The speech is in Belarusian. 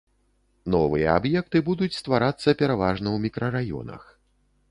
Новыя аб'екты будуць стварацца пераважна ў мікрараёнах.